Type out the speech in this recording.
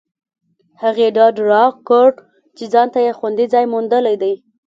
هغې ډاډ راکړ چې ځانته یې خوندي ځای موندلی دی